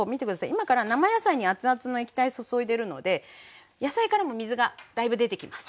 今から生野菜に熱々の液体注いでるので野菜からも水がだいぶ出てきます。